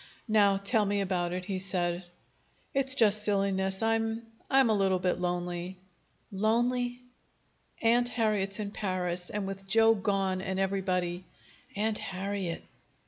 "Now, tell me about it," he said. "It's just silliness. I'm I'm a little bit lonely." "Lonely!" "Aunt Harriet's in Paris, and with Joe gone and everybody " "Aunt Harriet!"